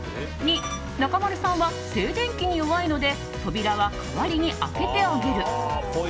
２、中丸さんは静電気に弱いので扉は代わりに開けてあげる。